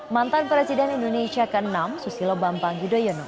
mantan presiden indonesia ke enam susilo bambang yudhoyono